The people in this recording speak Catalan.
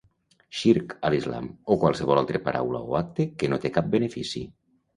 Shirk, a l'Islam, o qualsevol altre paraula o acte que no té cap benefici.